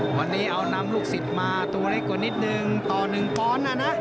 วันนี้เอานำลูกศิษย์มาตัวเล็กกว่านิดนึงต่อ๑ปอนด์นะนะ